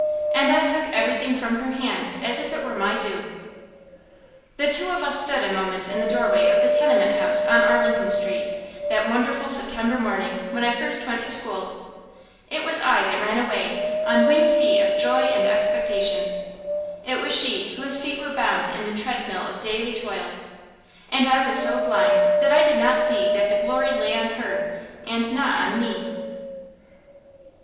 And I took everything from her hand as if it were my due. The two of us stood a moment in the doorway of the tenement house on Arlington Street, that wonderful September morning when I first went to school. It was I that ran away, on winged feet of joy and expectation; it was she whose feet were bound in the treadmill of daily toil. And I was so blind that I did not see that the glory lay on her, and not on me.